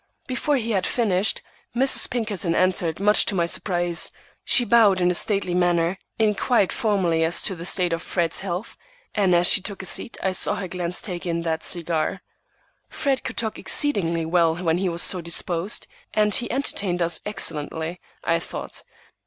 Before he had finished, Mrs. Pinkerton entered much to my surprise. She bowed in a stately manner, inquired formally as to the state of Fred's health, and as she took a seat I saw her glance take in that cigar. Fred could talk exceedingly well when he was so disposed, and he entertained us excellently, I thought.